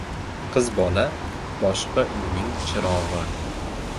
• Qiz bola ― boshqa uyning chirog‘i.